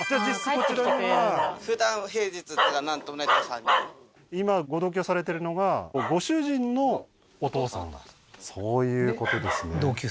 こちらにはふだん平日っていうかなんともないときは３人今ご同居されてるのがご主人のお父さんがそういうことですね